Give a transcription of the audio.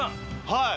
はい。